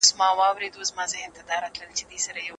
د پښتو د پوهې لپاره باید دوامداره هڅې وسو.